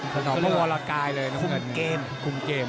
ถนอมพวกมัวละกายเลยน้ำเงิน